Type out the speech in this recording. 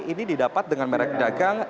ini didapat dengan merek dagang